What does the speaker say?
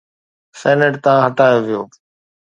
set تان هٽايو ويو